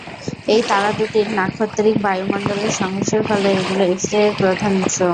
এই তারা দুটির নাক্ষত্রিক বায়ু মন্ডলের সংঘর্ষের ফলে এগুলো 'এক্স-রে' এর প্রধান উৎস।